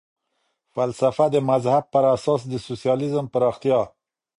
فلسفه د مذهب پر اساس د سوسیالیزم پراختیا.